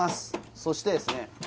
そしてですね